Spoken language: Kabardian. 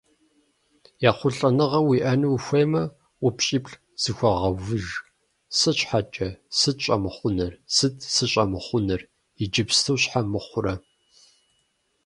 Ехъулӏэныгъэ уиӏэну ухуеймэ, упщӏиплӏ зыхуэвгъэувыж: Сыт Щхьэкӏэ? Сыт щӏэмыхъунур? Сыт сыщӏэмыхъунур? Иджыпсту щхьэ мыхъурэ?